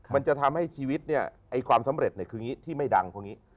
มันจะทำให้ชีวิตเนี่ยความสำเร็จที่ไม่ดัง